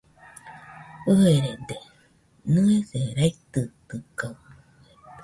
ɨrɨrede, nɨese raitɨtɨkaɨ